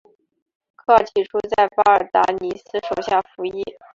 利奥起初在巴尔达尼斯手下服役。